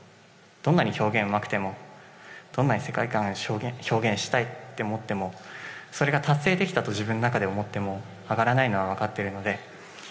どんなに表現がうまくてもどんなに世界観を表現したいと思ってもそれが達成できたと自分の中では思っても上がらないのは分かっているので。